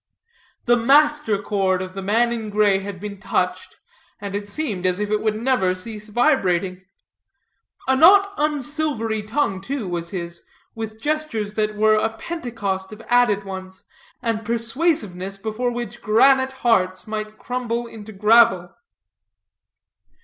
The master chord of the man in gray had been touched, and it seemed as if it would never cease vibrating. A not unsilvery tongue, too, was his, with gestures that were a Pentecost of added ones, and persuasiveness before which granite hearts might crumble into gravel.